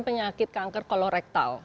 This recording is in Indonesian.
penyakit kanker kolorektal